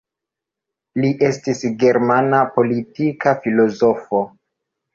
Li estis germana politika filozofo.